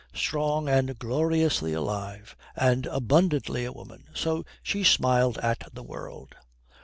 Strong and gloriously alive, and abundantly a woman so she smiled at the world.